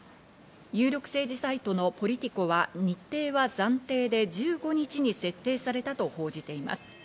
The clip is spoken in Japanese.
有力政治サイトのポリティコは日程は暫定で１５日に設定されたと報じています。